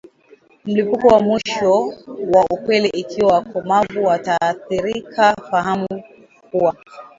mlipuko wa mwisho wa upele Ikiwa wakomavu wataathirika fahamu kuwa